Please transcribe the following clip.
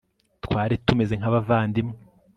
twari tumeze nk'abavandimwe